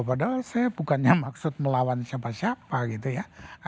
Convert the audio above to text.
padahal saya bukannya maksud melawan siapa siapa gitu ya